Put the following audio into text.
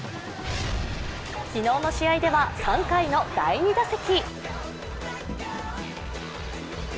昨日の試合では３回の第２打席。